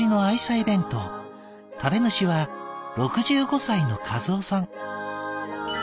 「食べ主は６５歳の和雄さん。